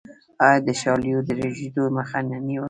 آیا د شالیو د رژیدو مخه نیولی شو؟